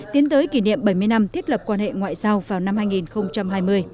tiến tới kỷ niệm bảy mươi năm thiết lập quan hệ ngoại giao vào năm hai nghìn hai mươi